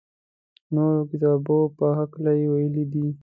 نورو کتابو په هکله یې ویلي دي.